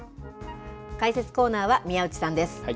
解説コーナーは宮内さんです。